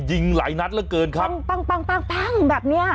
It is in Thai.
ยิงหลายนัดเหลือเกินครับปั้งปั้งปั้งปั้งปั้งแบบเนี้ย